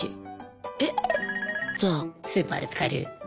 スーパーで使える。